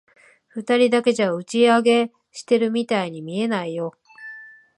二人だけじゃ、打ち上げしてるみたいに見えないよ。